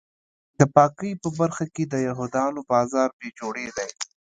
د پاکۍ په برخه کې د یهودیانو بازار بې جوړې دی.